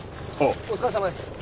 お疲れさまです。